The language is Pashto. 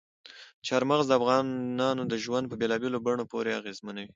چار مغز د افغانانو ژوند په بېلابېلو بڼو پوره اغېزمنوي.